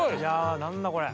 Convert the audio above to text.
何だこれ。